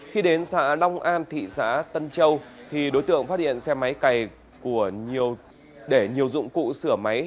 khi đến xã long an thị xã tân châu thì đối tượng phát hiện xe máy cày để nhiều dụng cụ sửa máy